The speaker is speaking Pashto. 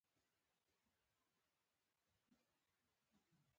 د خلکو مشوره د عقل نښه ده.